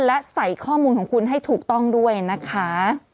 และใส่ข้อมูลของคุณให้ถูกต้องด้วยนะคะ